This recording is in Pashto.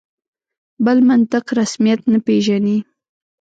بل منطق رسمیت نه پېژني.